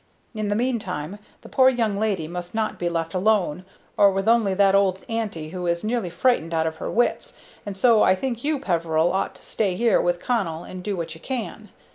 In the meantime the poor young lady must not be left alone, or with only that old aunty, who is nearly frightened out of her wits, and so I think you, Peveril, ought to stay here with Connell and do what you can.